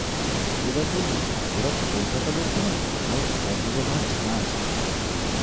বিপ্রদাস বললে, ওরা কলকাতার লোক কিনা, তাই ভদ্র ব্যবহার জানা আছে।